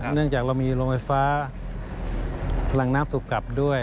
เนื่องจากเรามีโรงไฟฟ้าแหล่งน้ำถูกกลับด้วย